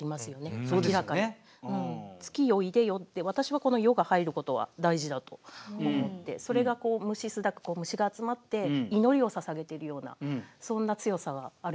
「月よ出でよ」って私はこの「よ」が入ることは大事だと思ってそれが「虫すだく」虫が集まって祈りを捧げているようなそんな強さがあるような気がするんですよね。